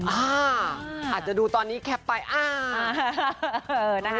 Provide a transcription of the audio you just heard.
อ้าาาอาจจะดูตอนนี้แคปไปอ้าาาา